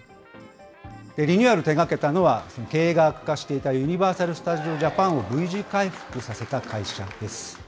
リニューアルを手がけたのは、経営が悪化していたユニバーサル・スタジオ・ジャパンをＶ字回復させた会社です。